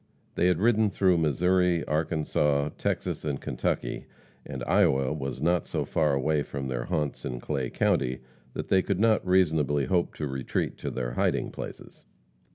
They had ridden through Missouri, Arkansas, Texas and Kentucky, and Iowa was not so far away from their haunts in Clay county that they could not reasonably hope to retreat to their hiding places.